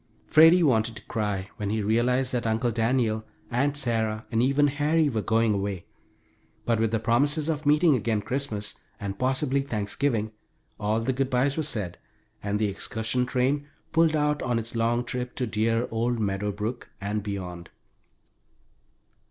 Freddie wanted to cry when he realized that Uncle Daniel, Aunt Sarah, and even Harry were going away, but with the promises of meeting again Christmas, and possibly Thanksgiving, all the good bys were said, and the excursion train puffed out on its long trip to dear old Meadow Brook, and beyond.